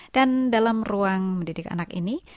dan dalam ruang mendidik anak ini